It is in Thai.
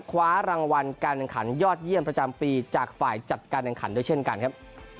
คว้ารางวัลการแข่งขันยอดเยี่ยมประจำปีจากฝ่ายจัดการแข่งขันด้วยเช่นกันครับ